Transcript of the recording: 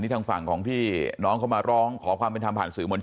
ทางฝั่งของที่น้องเขามาร้องขอความเป็นธรรมผ่านสื่อมวลชน